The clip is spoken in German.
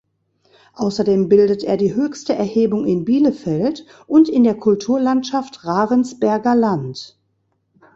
Außerdem bildet er die höchste Erhebung in Bielefeld und in der Kulturlandschaft Ravensberger Land.